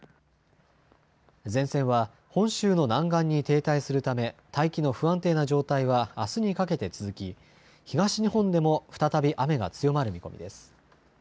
前線は本州の南岸に停滞するため大気の不安定な状態はあすにかけて続き東日本でも再び雨が強まる見込みです。